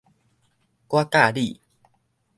我佮你